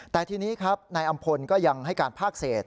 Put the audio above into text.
แต่ทีนี้ครับนายอำพลก็ยังให้การภาคเศษ